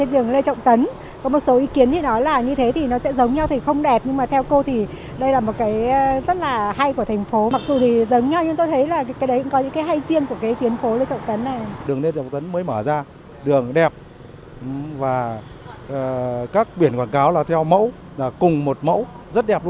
đường lê trọng tấn mới mở ra đường đẹp